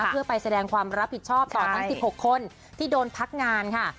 เพื่อไปแสดงความรับผิดชอบต่อทั้ง๑๖คนที่โดนพักงานค่ะ